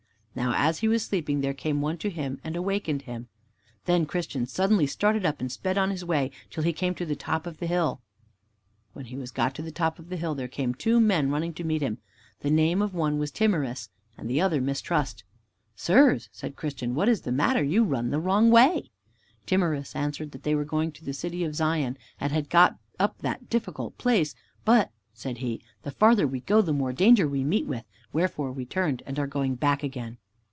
Now, as he was sleeping, there came one to him and awaked him. Then Christian suddenly started up and sped on his way till he came to the top of the hill. When he was got to the top of the hill, there came two men running to meet him. The name of the one was Timorous, and the other Mistrust. "Sirs," said Christian, "what is the matter? You run the wrong way." Timorous answered that they were going to the City of Zion and had got up that difficult place. "But," said he, "the farther we go, the more danger we meet with, wherefore we turned and are going back again."